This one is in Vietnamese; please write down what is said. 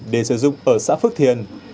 để sử dụng ở xã phước thiền